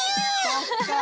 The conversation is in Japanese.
そっか。